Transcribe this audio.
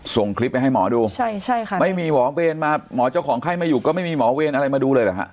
ส่งคลิปไปให้หมอดูใช่ใช่ค่ะไม่มีหมอเวรมาหมอเจ้าของไข้ไม่อยู่ก็ไม่มีหมอเวรอะไรมาดูเลยเหรอฮะ